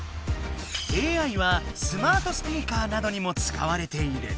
ＡＩはスマートスピーカーなどにも使われている。